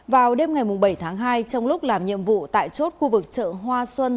vào đêm ngày bảy tháng hai trong lúc làm nhiệm vụ tại chốt khu vực chợ hoa xuân